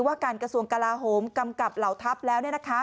ว่าการกระทรวงกลาโหมกำกับเหล่าทัพแล้ว